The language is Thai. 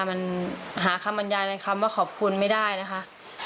มันหาคำบรรยายในคำว่าขอบคุณไม่ได้นะคะ